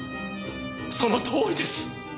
そのとおりです！